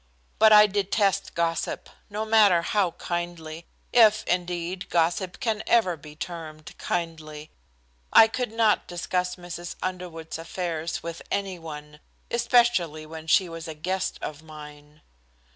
But I detest gossip, no matter how kindly if, indeed, gossip can ever be termed kindly. I could not discuss Mrs. Underwood's affairs with any one, especially when she was a guest of mine.